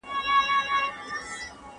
آس په لوړ غږ د خپل خاوند مرسته غوښتله.